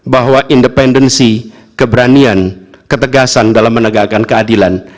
bahwa independensi keberanian ketegasan dalam menegakkan keadilan